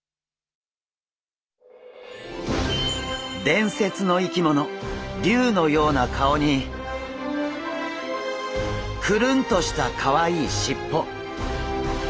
伝説の生き物竜のような顔にクルンとしたかわいいしっぽ。